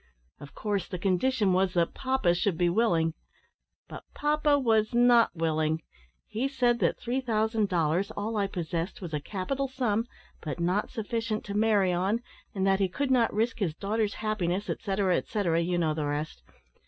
Of course, the condition was that papa should be willing. But papa was not willing. He said that three thousand dollars, all I possessed, was a capital sum, but not sufficient to marry on, and that he could not risk his daughter's happiness, etcetera, etcetera you know the rest.